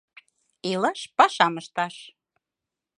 Илаш, пашам ышташ!..